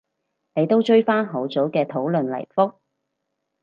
你都追返好早嘅討論嚟覆